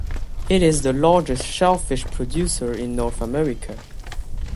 It is the largest shellfish producer in North America.